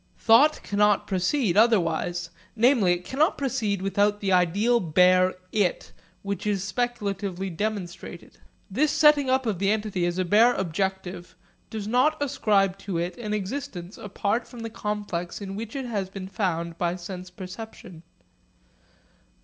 Thought cannot proceed otherwise; namely, it cannot proceed without the ideal bare 'it' which is speculatively demonstrated. This setting up of the entity as a bare objective does not ascribe to it an existence apart from the complex in which it has been found by sense perception.